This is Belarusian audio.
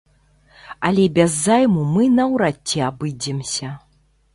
Але без займу мы наўрад ці абыдземся.